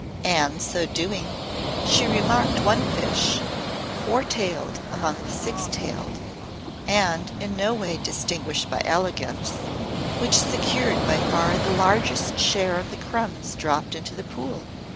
And, so doing, she remarked one fish, four tailed among the six tailed, and in no way distinguished by elegance, which secured by far the largest share of the crumbs dropped into the pool.